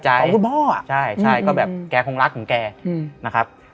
ใช่ใช่ก็แบบแกคงรักของแกนะครับ